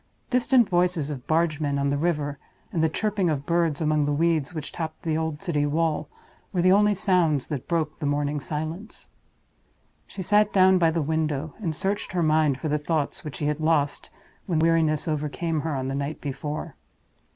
Distant voices of bargemen on the river, and the chirping of birds among the weeds which topped the old city wall, were the only sounds that broke the morning silence. She sat down by the window; and searched her mind for the thoughts which she had lost, when weariness overcame her on the night before.